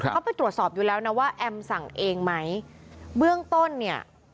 เขาไปตรวจสอบอยู่แล้วนะว่าแอมสั่งเองไหมเบื้องต้นเนี่ย